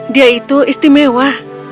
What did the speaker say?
dia itu istimewa